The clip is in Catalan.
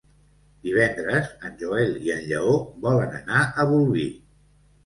Divendres en Joel i en Lleó volen anar a Bolvir.